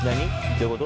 どういうこと？